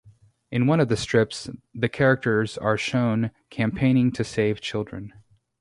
In one of the strips the characters are shown campaigning to save children.